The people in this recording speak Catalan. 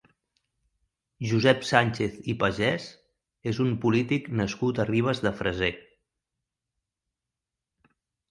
Josep Sánchez i Pagès és un polític nascut a Ribes de Freser.